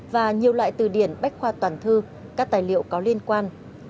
và nhiều loại từ điển bách khoa toàn thư các tài liệu có liên quan